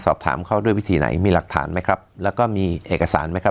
สอบถามเขาด้วยวิธีไหนมีหลักฐานไหมครับแล้วก็มีเอกสารไหมครับ